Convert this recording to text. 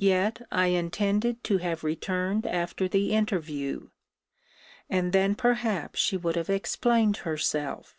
Yet I intended to have returned after the interview; and then perhaps she would have explained herself.